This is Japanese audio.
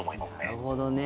なるほどね。